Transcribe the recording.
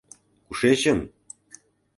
Кушечын?..